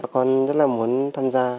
bà con rất là muốn tham gia